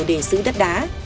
để giữ đất đá